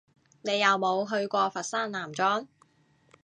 你有冇去過佛山南莊？